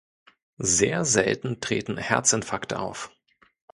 Sehr selten treten Herzinfarkte auf.